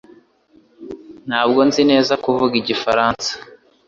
Ntabwo nzi neza kuvuga Igifaransa